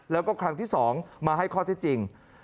แล้วก็ครั้งที่๒มาให้ข้อเท็จจริง